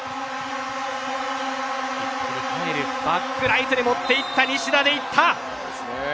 バックライトで持っていった西田でいった。